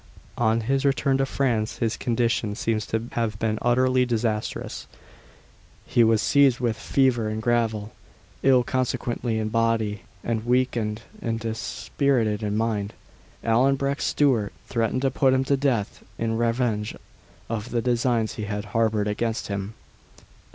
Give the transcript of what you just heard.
On his return to France, his condition seems to have been utterly disastrous. He was seized with fever and gravel ill, consequently, in body, and weakened and dispirited in mind. Allan Breck Stewart threatened to put him to death in revenge of the designs he had harboured against him.